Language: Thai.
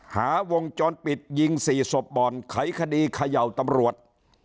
วงจรปิดยิง๔ศพบ่อนไขคดีเขย่าตำรวจ